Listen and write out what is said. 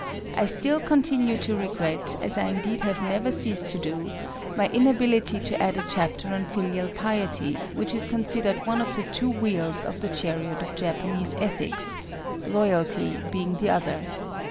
I still continue to regret, as I indeed have never ceased to do, my inability to add a chapter on Filial Piety, which is considered one of the two wheels of the chariot of Japanese ethics—Loyalty being the other.